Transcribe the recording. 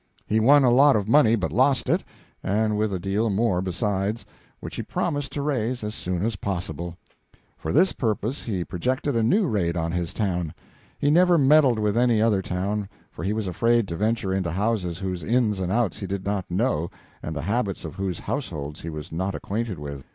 He won a lot of money, but lost it, and with it a deal more besides, which he promised to raise as soon as possible. For this purpose he projected a new raid on his town. He never meddled with any other town, for he was afraid to venture into houses whose ins and outs he did not know and the habits of whose households he was not acquainted with.